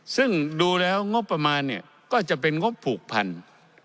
ซึ่งดูแล้วงบประมาณเนี่ยก็จะเป็นงบผูกพัน